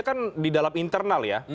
kan di dalam internal ya